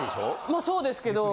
まあそうですけど。